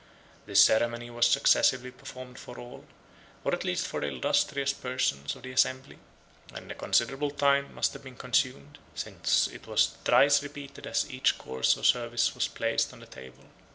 This ceremony was successively performed for all, or at least for the illustrious persons of the assembly; and a considerable time must have been consumed, since it was thrice repeated as each course or service was placed on the table.